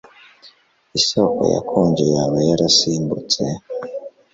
isoko yakonje yaba yarasimbutse